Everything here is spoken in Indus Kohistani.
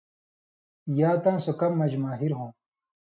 یا تاں سو کمہۡ مژ ماہر ہوں